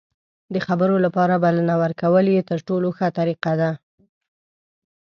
د خبرو لپاره بلنه ورکول یې تر ټولو ښه طریقه ده.